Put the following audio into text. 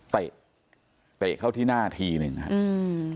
เตะเตะเข้าที่หน้าทีหนึ่งครับอืม